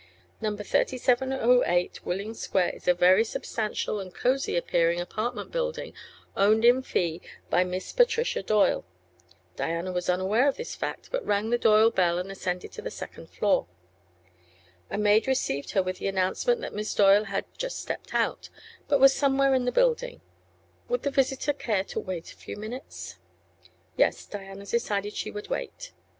Number 3708 Willing Square is a very substantial and cozy appearing apartment building owned in fee by Miss Patricia Doyle. Diana was unaware of this fact, but rang the Doyle bell and ascended to the second floor. A maid received her with the announcement that Miss Doyle had "just stepped out," but was somewhere in the building. Would the visitor care to wait a few minutes? Yes; Diana decided she would wait.